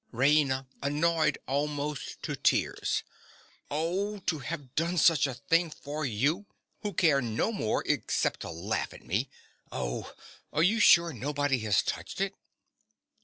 RAINA. (annoyed almost to tears). Oh, to have done such a thing for you, who care no more—except to laugh at me—oh! Are you sure nobody has touched it?